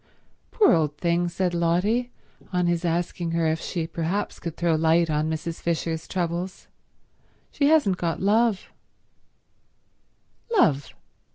"Poor old thing," said Lotty, on his asking her if she perhaps could throw light on Mrs. Fisher's troubles. "She hasn't got love."